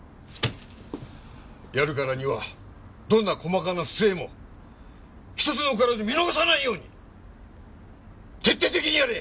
やるからにはどんな細かな不正も一つ残らず見逃さないように徹底的にやれ！